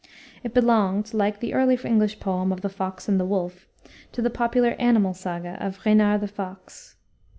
It belonged, like the early English poem of The Fox and the Wolf, to the popular animal saga of Reynard the Fox.